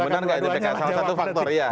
benar gak dppk salah satu faktor